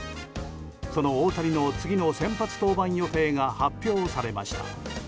その大谷の次の先発登板予定が発表されました。